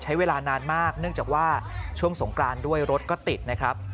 ใช้เวลานานมากเนื่องจากว่าช่วงสงกรานด้วยรถก็ติดนะครับ